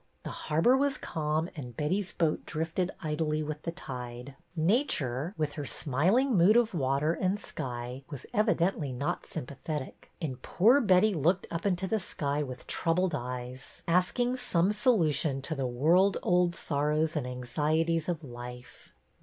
The harbor was calm and Betty's boat drifted idly with the tide. Nature, with her smiling mood of water and sky, was evidently not sympathetic, and poor Betty looked up into the sky with troubled eyes, asking some solution to the world old sorrows and anxieties of life.